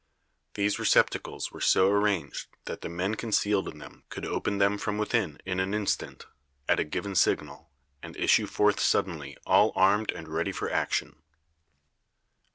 These receptacles were so arranged that the men concealed in them could open them from within in an instant, at a given signal, and issue forth suddenly all armed and ready for action.